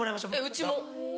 うちも。